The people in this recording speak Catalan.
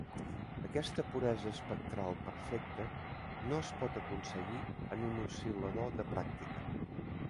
Aquesta puresa espectral perfecta no es pot aconseguir en un oscil·lador de pràctica.